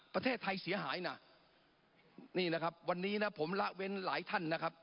ประเทศไทยเสียหายนะนี่นะครับวันนี้นะผมละเว้นหลายท่านนะครับ